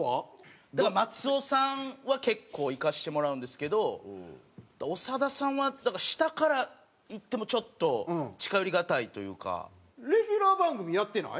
だから松尾さんは結構行かせてもらうんですけど長田さんは下からいってもちょっとレギュラー番組やってない？